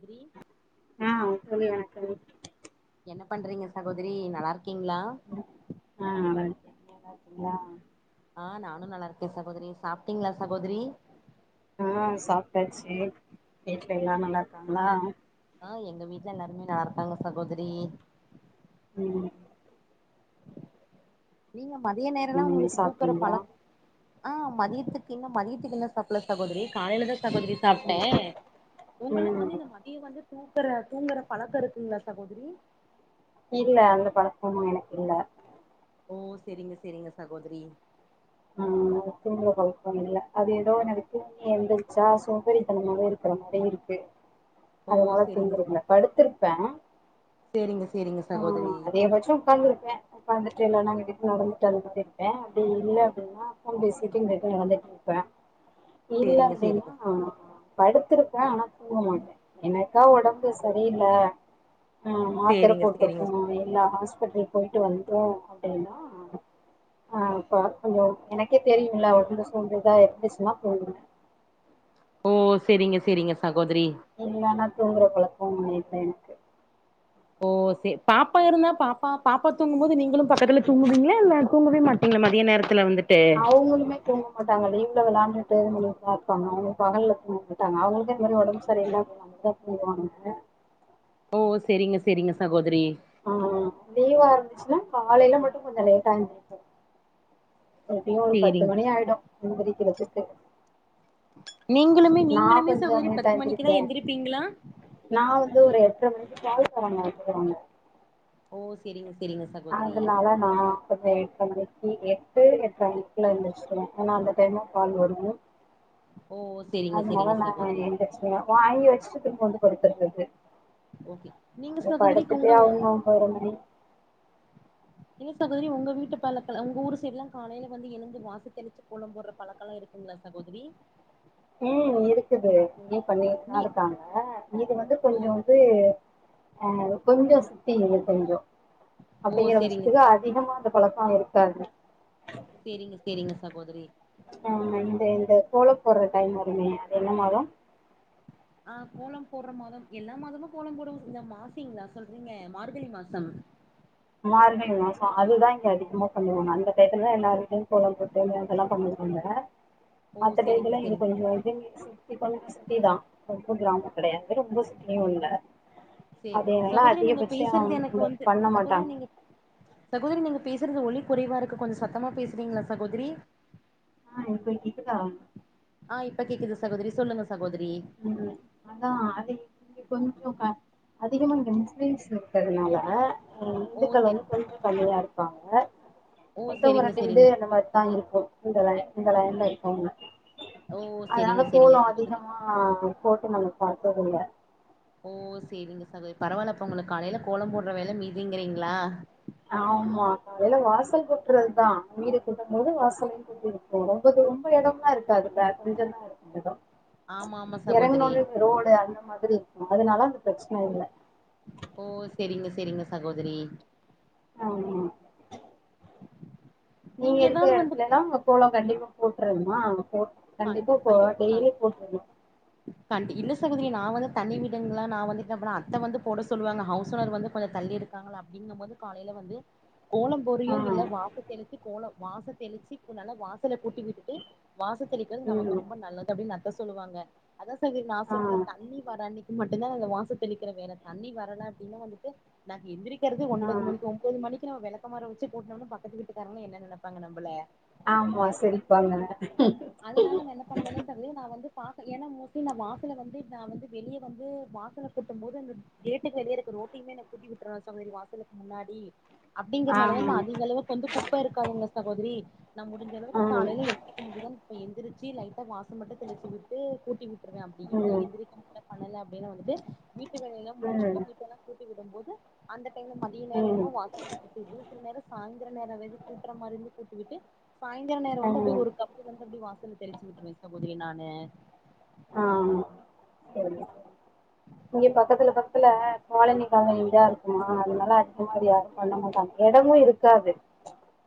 Green ஆ சொல்லு எனக்கு என்ன பண்றீங்க சகோதரி நல்லாருக்கீங்ளா? ஆ நல்லாருக்கே நீங்க நல்லாருக்கிங்ளா? ஆ நானும் நல்லாருக்கே சகோதரி சாப்டீங்ளா சகோதிரி? ஆ சாப்டாச்சு வீட்ல எல்லா நல்லாருக்காங்ளா? ஆஹ் எங்க வீட்ல எல்லாருமே நல்ல இருக்காங்க சகோதரி ம் இல்ல மதிய ம் நேரலாம் நீங்க உங்களுக்கு தூக்குற சாப்ட்டீங்களா பழக் ஆஹ் மதியத்துக்கு இன்னும் மதியத்துக்கு இன்னும் சாப்புல்ல சகோதிரி காலைல தான் சகோதிரி சாப்ட்டேன் உங்களுக்கு வந்து ம் இந்த மதிய வந்து தூங்குற தூங்கற பழக்கம் இருக்குங்களா சகோதிரி இல்ல அந்த பழக்கம்லாம் எனக்கில்ல ஓ செரிங்க செரிங்க சகோதிரி ஆ தூங்குற பழக்கொ இல்ல அது எதோ எனக்கு தூங்கி எந்திரிச்சா சோம்பேறித்தனமாவே இருக் தனமாவே இருக்கு ஓ அதுனால செரிங்க தூங்குறதில்ல படுத்திருப்பே செரிங்க செரிங்க ஆ சகோதரி அதிகபட்சொ உக்காந்துருப்பே ஒக்காந்துட்டு இல்லனா வெளில நடந்துட்டு அது மாரி இருப்பே அப்டி இல்ல அப்டின்னா ஃபோன் பேசிட்டு இந்த எட்த்துல நடந்துட்ருப்பே இல்ல செரிங்க செரிங்க அப்டின்னா படுத்திருப்பே ஆனா தூங்க மாட்டே எனக்கா ஒடம்பு சரியில்ல ம் மாத்திர செரிங்க செரிங்க போட்டுப்போ இல்ல ஹாஸ்பிட்டல் போயிட்டு வந்தோ அப்டின்னா ஆ ப கொஞ்சோ எனக்கே தெரியுல்ல ஒடம்பு சோம்பே தா இருந்துச்சுனா தூங்குவே ஓ செரிங்க செரிங்க சகோதரி இல்லன்னா தூங்குற பழக்கம் இல்ல எனக்கு ஓ சேர் பாப்பா இருந்தா பாப்பா பாப்பா தூங்கும் போது நீங்களும் பக்கத்துல தூங்குவீங்களா இல்ல தூங்கவே மாட்டீங்களா மதிய நேரத்துல வந்துட்டு அவுங்களுமே தூங்க மாட்டாங் மாட்டாங்க லீவ்ல வெளாண்டுட்டு அதே மாரிதான் இருப்பாங்க அவுங்க பகல்ல தூங்க மாட்டாங்க அவுங்களுக்கே இந்த மாரி உடம்பு சரி இல்லனா போய்டு வருவாங்க ஓ செரிங்க செரிங்க சகோதரி ஆ லீவா இருந்துச்சுன்னா காலையில மட்டும் கொஞ்சோ லேட்டா எந்திரிப்போம் எப்டியும் ஒரு பத்து சேரிங் மணி ஆயிடும் எந்திரிக்கிறதுக்கு நீங்களுமே நா நீங்களுமே கொஞ்சோ சகோதரி பத்து மணிக்குதான் எந்திருப்பீங்களா நான் வந்து ஒரு எட்ர மணிக்கு பால் காரங்க வந்துருவாங்க ஒ செரிங்க செரிங்க சகோதிரி நான் எட்றமணிக்கு எட்டு எட்ற மணிக்குலாம் எந்துருச்சுருவேன் ஏனா அந்த டைம்ல தான் பால் வரும் ஓ செரிங்க செரிங்க சகோதரி வாங்கி வச்சுட்டு திரும்ப வந்து படுத்தறது ஓகே நீங்க சகோதிரி உங்க அவங்க ஒம்போதர மணி இல்ல சகோதரி உங்க வீட்டு பழக்க ஊர் சைடுலா காலையில வந்து எழுந்து வாசல் தெளிச்சு கோலம் போடற பழக்கம்லா இருக்கா இல்ல சகோதரி ம் இருக்குது இங்கயும் நீ பண்ணிட்டுதான் இருக்காங்க இது வந்து ஓ கொஞ்சோம் வந்து ஆ கொஞ்சோம் சிட்டி இது கொஞ்சோம் ஓ அப்டிங்கற செரிங்க பச்சத்துக்கு அதிகமா அந்த பழக்கம் இருக்காது செரிங்க செரிங்க சகோதரி ஆமா இந்த இந்த கோல போடுற டைம் வருமே அது என்ன மாதம் ஆ கோலம் போடற மாதம் எல்லா மாதமும் கோலம் போடுவோம் இந்த மாசிங்களா சொல்றீங்க மார்கழி மாசம் மார்கழி மாசம் அதுதான் இங்க அதிகமா பண்ணுவாங்க அந்த டைத்துலதான் எல்லாருமே கோலம் அதெல்லாம் பண்ணுவாங்க ஓ மத்த செரிங்க டயத்துல இது செரிங்க கொஞ்சோம் கொஞ்சம் சிட்டி தான் ரொம்ப கிராமம் கெடையாது ரொம்ப சிட்டியும் இல்ல சேர் அது எல்லா சகோதரி நீங்க அதிகபட்சோ பேசுறது எனக்கு இந்த இது வந்து பண்ண சகோதரி மாட்டாங்க நீங்க சகோதரி நீங்க பேசறது ஒலி கொறைவா இருக்கு கொஞ்சம் சத்தமா பேசுறீங்களா சகோதரி ஆ இப்ப கேக்குதா ஆ இப்ப கேக்குது சகோதரி சொல்லுங்க சகோதரி ம் அதா அதே இங்க கொஞ்சோ க அதிகமா இங்க முஸ்லீம்ஸ் இருக்கறதுனால ம் ஓ இந்துக்கள் வந்து செரி கொஞ்ச கம்மியா இருப்பாங்க ஓ மித்தவங்க செரிங்க ரெண்டு வீடு செரிங்க என்ன மாரி தா இருக்கோ இந்த லைன் இந்த லைன்ல இருக்கவங்க ஓ அதனால செரிங்க செரிங்க கோலோ சகோதரி அதிகமா ஆ போட்டு நாங்க பாத்ததில்ல ஓ சேரிங்க சகோதரி பரவால்ல அப்ப உங்களுக்கு காலைல கோலம் போடற வேல மீதிங்கறீங்களா ஆமா காலைல வாசல் கூட்றதுதா வீடு கூட்டும்போது வாசலயு இது ரொம்ப ரொம்ப எடம்லா இருக்காதுல்ல கொஞ்சம் தான் இருக்கும் எடம் ஆமா ஆமா இறங்கன சகோதரி ஒன்னே இந்த ரோடு அந்த மாதிரி இருக்கும் அதனால அந்த பிரச்சன இல்ல ஓ செரிங்க செரிங்க சகோதரி ஆமா [inaudible] நீங்க இருக்குற ஏதாவது வந்து எடத்துலதான் கோலம் கண்டிப்பா போட்றனுமா போட் கண்டி கண்டிப்பா போடனும் ஐயோ டெய்லி போட்றனும் கண்டி இல்ல சகோதரி நான் வந்து தனி வீடுன்லாம் நான் வந்து அப்பலாம் அத்த போட சொல்லுவாங்க ஹவுஸ் ஓனர் வந்து கொஞ்ச தள்ளி இருக்காங்களா அப்டிங்கும் போது காலைல வந்து கோலம் ஆ போட்றியோ இல்ல வாச தெளிச்சி கோலோ வாச தெளிச்சு கொ நல்லா வாசல கூட்டி விட்டுட்டு வாச தெளிக்றது நமக்கு ம் ரொம்ப நல்லது அப்டின்னு எங்க அத்த சொல்லுவாங்க அதா சகோதரி நா சொல்ற ஆ தண்ணி வர அன்னைக் கி மட்டும்தா இந்த வாச தெளிக்கிற வேல தண்ணி வரல அப்டின்னா வந்துட்டு நாங்க எந்திரிக் கிறது ஒன்பது ஆ மணிக்கு ஒம்போது மணிக்கு நம்ம வெளக்கமார வச்சு கூட்னம்னா பக்கத்து வீட்டுக்காரங்க என்ன நெனப்பாங்க நம்பள ஆமா சிரிப்பாங்க அதனால நா என்னப் பண்ணுவேன்னா சகோதரி நா வந்து பாக்க ஏன்னா மோஸ்ட்லி நா வாசல வந்து நா வந்து வெளிய வந்து வாசல கூட்டும் போது அந்த கேட்டுக்கு வெளிய இருக்க ரோட்டையுமே நா கூட்டி விட்ருவே சகோதரி வாசலுக்கு முன்னாடி ஆ அப்டிங்றனால வந்து அதிக அளவுக்கு வந்து குப்ப இருக்காதுங்க சகோதரி நா முடிஞ்ச அளவுக்கு ஆ ம் காலைல எந்திரிக்க முடியுதானு இப்ப எந்திரிச்சு லைட்டா வாசல் மட்டு தெளிச்சு விட்டு கூட்டி விட் ருவே அப்டி இல்ல ம் எந்திரிக்க முடில பண்ணல அப்டினா வந்துட்டு வீட்டு வேல எல்லா முடிச்சுட்டு ம் வீட்டெல்லா கூட் டி விடும்போது அந்த டைம்ல மதிய நேரமோ வாசல கூட்டி விட்டு சில நேரோ சாய்ந்தர நேரோ ஏதாச்சி கூட்ற மாரி இருந்து கூட்டிவிட்டு சாய்ங்கால நேரோ வந்து அப்டியே ம் ஒரு கப் அப்டி வாசல தெளிச்சு விட்ருவே சகோதரி நானு ஆமா செரி இங்க பக்கத்துல பக் கத்துல காலனி காலனி வீடா இருக்குமா அதுனால அதிகமா இது யாரு பண்ண மாட்டாங்க எடமு இருக்காது [inaudible]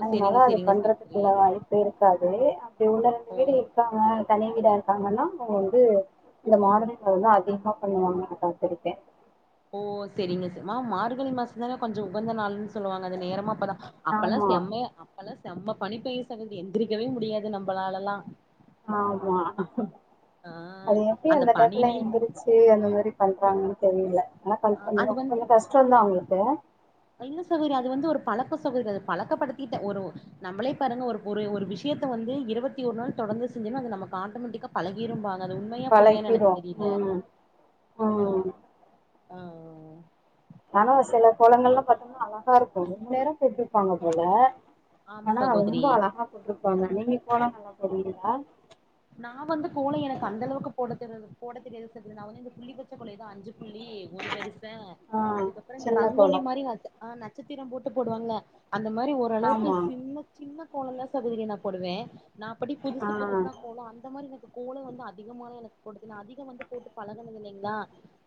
அதனால செரிங்க அது செரிங்க பண்றதுக்கு சகோதரி தகுந்த மாரி இருக்காது அப்டி ஒன்னு ரெண்டு ஓ வீடு இருக்காங்க தனி வீடா இருக்காங்கன்னா அவங்க வந்து இந்த மார்கழிம் போது அதிகோ பண்ணுவாங்க நா பாத்துருக்கே ஓ செரிங்க ச மா மார்கழி மாசந்தான கொஞ்ச உகந்த நாள்ன்னு சொல்லுவாங்க அது நேரமா அப்பதா அப்பல்லா ஆமா செம்மயா அப்பல்லா செம்ம பனி பெய்யு சகோதரி எந்திரிக்கவே முடியாது நம்பளாலல்லா ஆமா ஆ அது எப்டி அந்த டயத்துல எந்திரிச்சு ட்டு அந்த மாரி பண்றாங்கன்னு தெரியல ஆனா [inaudible] ஆ அது வந்து கொஞ்சொ கஷ்டந்தா அவங்களுக்கு இல்ல சகோதரி அது வந்து ஒரு பழக்கோ சகோதரி அது பழக்கப்படுத்திட்ட ஒரு நம்மளே பாருங்க ஒரு ஒரு ஒரு விஷயத்த வந்து இருவத்தி ஒரு நாள் தொடந்து செஞ்சோன்னா அது நமக்கு ஆட்டோமேட்டிக்கா பழகிரும்பாங்க அது உண்மையா பொய்யான்னு எனக்கு பழகிரும் தெரியல ம் ம் ஆ ஆனா சில கோலங்கள்லா பாத்தீங்கன்னா அழகா இருக்கு ரொம்ப நேரோ போட்ருப்பாங்க போல ஆமா ஆனா ரொம்ப சகோதரி அழகா போட்டுருப்பாங்க நீங்க கோலோ நல்லா போடூவீங்ளா நா வந்து கோலோ எனக்கு அந்த அளவுக்கு போட தெரியாது போட தெரியாது சகோதரி நா வந்து இந்த புள்ளி வச்ச கோலோ எதோ அஞ்சு புள்ளி ஒரு வரிச ஆ அதுக்கப்பற இந்த சின்ன ரங்கோலி கோலம் மாரி அது ஆஹ் நட்சத்திரம் போட்டு போடுவாங்கள அந்த மாரி ஒரு ஓரளவுக்கு ஆமா சின்ன சின்ன கோல தா சகோதரி நா போடுவ நா அப்டி புதுசு ஆ புதுசா கோல வந்து அந்த மாரி எனக்கு கோல வந்து அதிகமாலா எனக்கு போட தெரியாது அதிக வந்து போட்டு பழகனது இல்லங்களா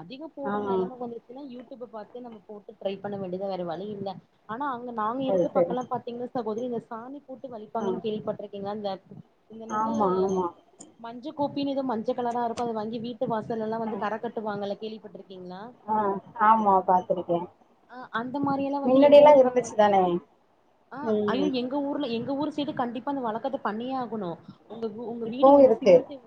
அதிக ஆ போட்ற நெலம வந்துச்சுன்னா யூடியூப் பாத்து நம்ம போட்டு ட்ரை பண்ண வேண்டியதா வேற வழி இல்ல ஆனா அங்க நாங்க அது இருக்க சரி பக்கம்ல்லா பாத்தீங்கன்னா சகோதரி இந்த சாணி போட்டு ஆ வளிப்பாங்கன்னு கேள்விப்பட்டிருக்க என்ன இந்த என்னது ஆமா ஆமா மஞ்ச கூப்பினு எதோ மஞ்ச கலரா இருக்கும் அத வாங்கி வீட்டு வாசல்லா ஆ வந்து கரை கட்டுவாங்கல்ல கேள்விப்பட்ருக்கீங்களா ஆ ஆமா பாத்துருக்கே ஆ அந்த மாரி எல்லா வந்து எங்க ஊர் பக்கோ வந்து தானே ஆ ஐயோ ம் எங் எங்க ஊர்ல எங்க ஊர் சைடு கண்டிப்பா வந்த வழக்கத பண்ணியே ஆகணும் உங்க உங்க வீடு இப்பவு வந்து இருக்கு சிமண்ட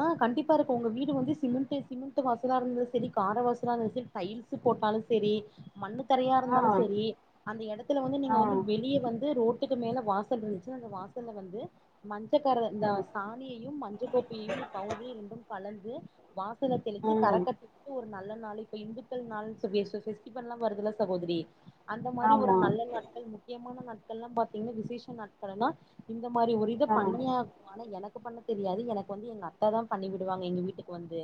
அ கண்டிப்பா இருக்கு உங்க வீடு வந்து சிமெண்ட் சிமெண்ட் வாசலா இருந்தது சரி கார வாசலா இருந்தா சரி டைல்ஸ் போட்டாலு சரி மண்ணு தரையா ஆ இருந்தாலு சரி அந்த இடத்துல வந்து ஆ நீங்க வந்து ஆ வெளிய வந்து ரோட்டுக்கு மேல வாசல் இருந்துச்சு அந்த வாசல்ல வந்து மஞ்சக்கர இந்த சாணியையும் மஞ்சக்க கோப்பையையும் இந்த பவுடரி ரெண்டும் கலந்து வாசல தெளிச்சு ம் கரக்கட்டரத்துக்கு ஒரு நல்ல நாள் இப்போ இந்துக்கள் நாள்ளு சொ வருதுல்ல சகோதரி அந்த மாதிரி ஒரு ஆமா நல்ல நாட்கள் முக்கியமான நாட்கள்லா பாத்தீங்கன்னா விசேச நாட்கள்னா இந்த மாதிரி ஒரு இத ஆ பண்ணிய ஆனா எனக்கு பண்ண தெரியாது எனக்கு வந்து எங்க அத்த தா பண்ணி விடுவாங்க எங்க வீட்டு வந்து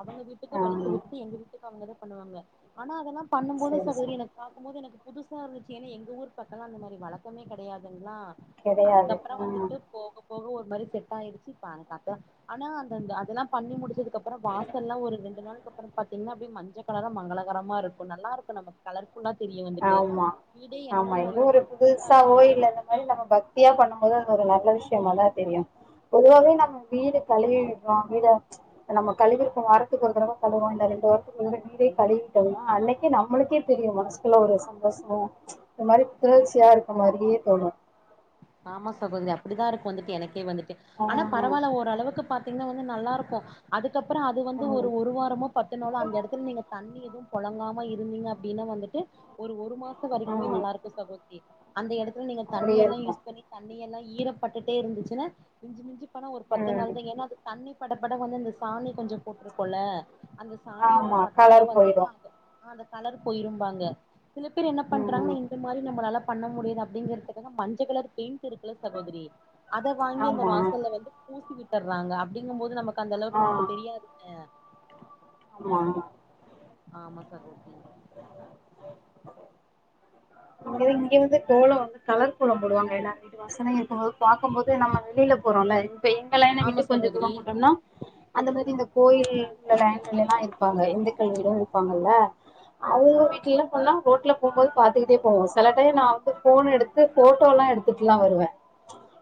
அவங்க வீட்டுக்கு வலிச்சு ஆமா விட்டு எங்க வீட்டுக்கு அவங்கத பண்ணுவாங்க ஆனா அதெல்லா பண்ணும் போது சரி சகோதரி சரி எனக்கா பாக்கும் போது எனக்கு புதுசா இருந்துச்சு ஏன்னா எங்க ஊர் பக்கம்லா அந்த மாதிரி வழக்கமெ கிடையாதுங்களா கெடையாது அதுக்கப்பற ம் வந்துட்டு போக போக ஒரு மாதிரி செட் ஆயிடுச்சு இப்ப ஆனா அந்த அதெல்லா பண்ணி முடிச்சதுக்கு அதுக்கு அப்ரோ வாசல்லா ஒரு ரெண்டு நாளுக்கு அப்பற பாத்தீங்கன்னா அப்டியே மஞ்ச கலர மங்களகரமா இருக்கும் நல்லா இருக்கும் நம்ம கலர் ஆமா ஆமா மாரி எங்க வந்து ஒரு புதுசா இருக்க மாரி கோயில இருக்கு மாதிரி நம்ம பக்தத்தியா பண்ணும்போது அது ஒரு நல்ல விஷயமாதா தெரியும் பொதுவாவே நம்ம வீடு கழுவிடுறோ வீட நம்ம கழுவிருப்ப வாரத்துக்கு ஒரு தடவ கழுவோ ரெண்டு வாரத்துக்கு ஒரு தடவ வீடே கழுவிட்டோம்னா அன்னிக்கே நம்மளுக்கே தெரியும் மனசுக்குள்ள ஒரு சந்தோஷ இந்த மாதிரி பிரச்சியா இருக்க மாதிரியே தோணும் ஆமா சகோதரி அப்டிதா இருக்கும் வந்துட்டு எனக்கே வந்துட்டு ஆனா ஆ பரவாயில்ல ஓரளவுக்கு பார்த்த நல்லா இருக்கும் அதுக்கப்பற அது வந்து ம் ஒரு வாரமோ பத்து நாளோ அந்த இடத்துல நீங்க தண்ணி எது போழங்காம இருந்தீங்க அப்டின்னா வந்துட்டு ஒரு ஒரு மாச வரைக்குமே ம் நல்லா இருக்கும் சகோதிரி அந்த இடத்துல நீங்க தண்ணி அப்டியே எல்லா இருக்கு யூஸ் பண்ணி தண்ணி எல்லா ஈரப்பட்டுட்டே இருந்துச்சுன்னா மிஞ்சு மிஞ்சு ஒரு பத்து ம் நாள்தா ஏன்னா அது தண்ணி பட பட வந்து இந்த சாணி கொஞ்ச போட்டுருக்கோல அந்த சாணியோட ஆமா பத்த எல்லா கலர் வந்துட்டு போயிடு அந்த கலர் போயிருும்பாங்க சில பேர் என்ன பண்றாங்கன்னா ம் இந்த மாதிரி நம்மளால பண்ண முடியாது அப்டிங்கறதுக்காக மஞ்ச கலர் பெயிண்ட் இருக்கல சகோதரி அத வாங்கி அந்த ஆமா வாசல வந்து பூசி விட்டுர்றாங்க அப்டிங்கும் போது நமக்கு அந்த ஆ அளவுக்கு நமக்கு தெரியாதுல ஆமா ஆமா சகோதிரி ஏதோ இங்கிருந்து கோல வந்து கலர் கோல போடுவாங்க எல்லாருமே வாசனை இருக்கும் போது இப்ப பார்க்க போது நம்ம வெளியில போறோம்ல இப்ப எங்க லைன்ல ஆமா விட்டு கொஞ்ச தூர சகோதரி போட்டோம்னா அந்த மாரி இந்த கோயில் லைன்ல எல்லா இருப்பாங்க இந்துக்கள் வீடு இருப்பாங்கல்ல அவங்க வீட்லலா சொன்னா ரோட்ல போம் போது பாத்துக்கிட்டே சில டைம் நா வந்து ஃபோன் எடுத்து ஃபோட்டோல்லா எடுத்துட்ல்லா வருவ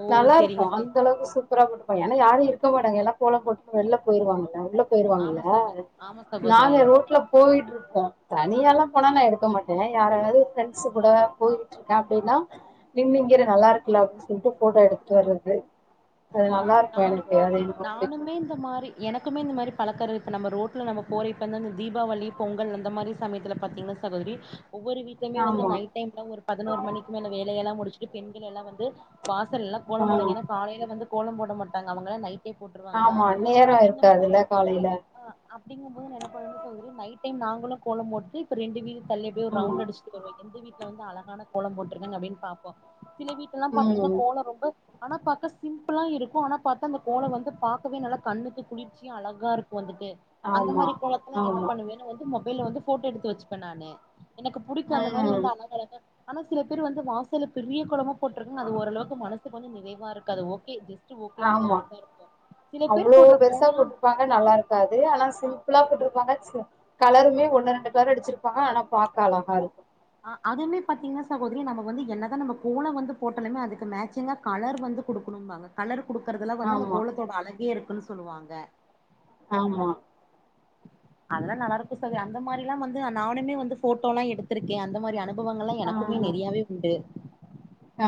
ஓ நல்லாருக்கு செரிங்க செரி அந்த அளவுக்கு சுப் சூப்பரா போட்டுப்பாங்க ஏனா யாரு இருக்க மாட்டாங்க எல்லா கோல போட்டுட்டு வெளில போயிருவாங்க உள்ளப் ஆமா போயிருவாங்கல்ல சகோ ஆமா சகோதரி நாங்க ரோட்லப் போயிட்டு இருப்போ தனியால்லா போனா நா எடுக்க மாட்டே யாராது ஃபிரண் ஃபிரிண்ட்ஸ் கூட போயிட்டு இருக்கே அப்டினா இங் இங்கிரு நல்லா இருக்குல அப்டினு சொல்லிட்டு ஃபோட்டோ எடுத்து வர்றது அது நல்லா இருக்கு எனக்கு அது ரொம்ப புடிக்கு தே இந்த மாரி எனக்குமே இந்த மாரி பழக்க இருக் இப்போ நம்ப ரோட்ல நம்ப போறோ இப்போ வந்து இந்த தீபாவளி பொங்கல் அந்த மாரி சமயத்தில பாத்தீங்கன்னா சகோதரி ஒவ்வொரு வீட் எம வந்து ஆமா நைட் டைம்ல ஒரு பதினோரு மணிக்கு மேல வேலையெல்லா முடிச்சுட்டு பெண்கள் எல்லா வந்து வாசல் எல்லா கோலம் போடுங்க ஏன்ன ஆ காையில வந்து கோலம் போட மாட்டாங்க அவங்கள நைட் ஆமா நேர இருக்காதுல்ல காலையில அப்டிங்கும் போது நா என்ன பண்ணுவனா தோழி நைட் டைம் நாங்களு கோலம் போட்டுட்டு இப்ப ரெண்டு வீடு தள்ளி அப்டி போய் ஒரு ம் ரவுண்ட் அடிச்சுட்டு வருவ எந்த வீட்ல வந்து அழகான கோலம் போட்ருக்காங்க அப்டினு பாப்போ சில வீட்லல்லா பாத்தீங்கன்னா ம் கோல ரொம்ப ஆனா பக்கஸ் சிம்பிளா இருக்கு ஆனா பாத்தா அந்த கோலோ வந்து பாக்கவே நல்லா கண்ணுக்கு குளிர்ச்சியு அழகா இருக்கு வந்துட்டு அந்த ஆமா மாரி கோலத்துலா என்ன ஆமா பண்ணுவேனு வந்து மொபைல்ல வந்து ஃபோட்டோ எடுத்து வச்சுப்ப நானு எனக்கு புடிக்கு அந்த மாரி வந்து ம் அழகு அழகா ஆனா சில பேர் வந்து வாசல பெரிய கோலமா போட்ருக்காங்க அது ஓரளவுக்கு மனசுக்கு வந்து நிறைவா இருக்கு அது ஓகே ஜஸ் ஓகேங்கிற ஆமா மாரி தா இருக்கு சில பேர் போடுற கொலோல்லா ப்பாக்க நல்லா இருக்காது ஆனா சிம்பிளா போட்ருப்பாங்க கலருமே ஒண்ணு ரெண்டு கலர் அடிச்சிருப்பாங்க ஆனா பாக்க அழகா இருக்கு அதுமே பாத்தீங்கன்னா சகோதரி நம்ம வந்து என்னதா நம்ம கோல வந்து போட்டலுமே அதுக்கு மேச்சிங்கா கலர் வந்து குடுக்குணும்பாங்க கலர் கொடுக்குறதெலா வந்து அந்த ஆமா கோலத்தோட அழகே இருக்குனு சொல்லுவாங்க ஆமா அதெல்லா நல்லா இருக்கு சகோ அந்த மாரிலா வந்து நானுமே வந்து ஃபோட்டோ எல்லா எடுத்திருக்கே அந்த மாரி அனுப் ம்பவங்கள்ளா எனக்குமே நெறையவே உண்டு ஆ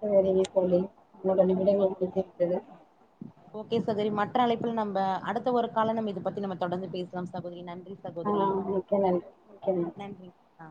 சரிங்க தோழி இன்ன நிமிடங்கள் முடிந்து விட்டது ஓகே சகோரி மற்ற அழைப்புல நம்ப அடுத்த ஒரு காலம் நம்ம இத பத்தி நம்ம தொடந்து பேசலாம் சகோதரி நன்றி சகோதரி ஆ மிக்க நன்றி மிக்க நன்றி ஆ